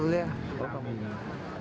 enggak di kampung banjar